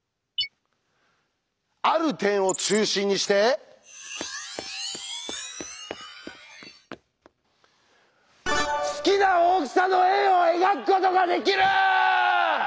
「ある点を中心にして好きな大きさの円を描くことができる」！